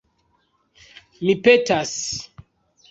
Mi petas!